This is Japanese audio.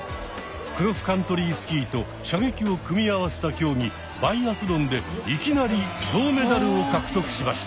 「クロスカントリースキー」と「射撃」を組み合わせた競技「バイアスロン」でいきなり銅メダルを獲得しました。